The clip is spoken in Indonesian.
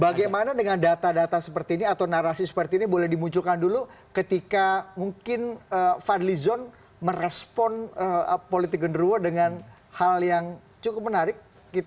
bagaimana dengan data data seperti ini atau narasi seperti ini boleh dimunculkan dulu ketika mungkin fadli zon merespon politik genderuo dengan hal yang cukup menarik